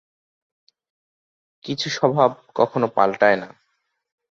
কিছু স্বভাব কখনো পাল্টায় না।